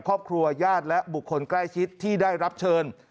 ครอบครัวยาดและบุคคลใกล้ชิดที่ได้รับเชิญ